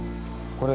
これ。